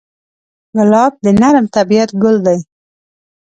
ګلاب د نرم طبعیت ګل دی.